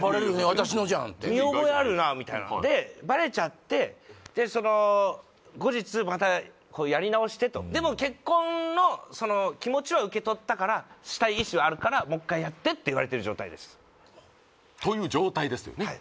「私のじゃん」って「見覚えあるな」みたいなでバレちゃってその後日またやり直してとでも結婚のその気持ちは受け取ったからって言われてる状態です「という状態です」というね